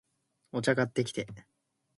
お茶、買ってきて